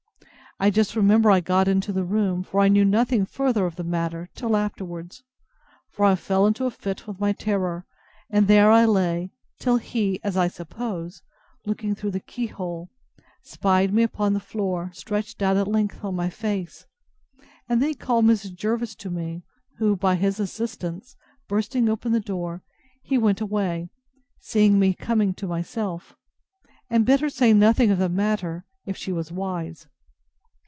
I just remember I got into the room; for I knew nothing further of the matter till afterwards; for I fell into a fit with my terror, and there I lay, till he, as I suppose, looking through the key hole, spyed me upon the floor, stretched out at length, on my face; and then he called Mrs. Jervis to me, who, by his assistance, bursting open the door, he went away, seeing me coming to myself; and bid her say nothing of the matter, if she was wise.